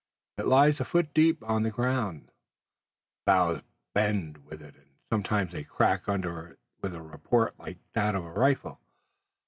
It lies a foot deep on the ground, the boughs bend with it, and sometimes they crack under it with a report like that of a rifle.